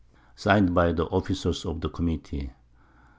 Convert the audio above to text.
_ Sign'd by the Officers of the Committee.